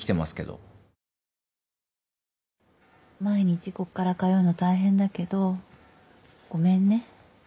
毎日こっから通うの大変だけどごめんね。